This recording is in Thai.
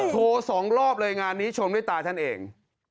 สองรอบเลยงานนี้ชมด้วยตาท่านเอง